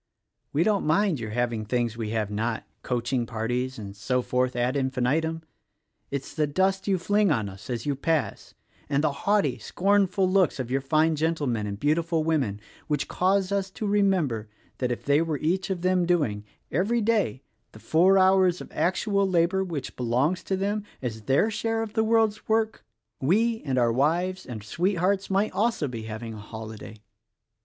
We don't mind your having things we have not — coaching parties and so forth ad infinitum, — it's the dust you fling on us as you pass (and the haughty, scornful looks of your fine gentlemen and beautiful women) which cause us to remember that if they were each of them doing — every day — the four hours of actual labor which belongs to them as their share of the world's work, we and our wives and sweethearts might also be having a holiday.